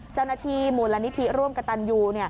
เจ้าหน้าที่มูลนิธิร่วมกับตันยู